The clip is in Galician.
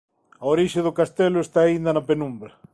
A orixe do castelo está aínda na penumbra.